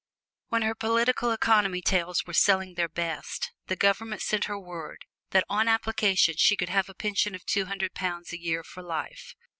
When her political economy tales were selling their best, the Government sent her word that on application she could have a pension of two hundred pounds a year for life.